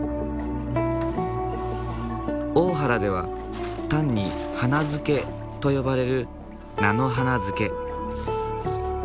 大原では単に「花漬け」と呼ばれる菜の花漬け。